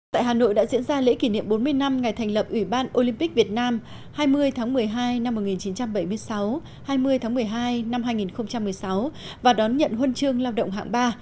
tại hà nội đã diễn ra lễ kỷ niệm bốn mươi năm ngày thành lập ủy ban olympic việt nam hai mươi tháng một mươi hai năm một nghìn chín trăm bảy mươi sáu hai mươi tháng một mươi hai năm hai nghìn một mươi sáu và đón nhận huân chương lao động hạng ba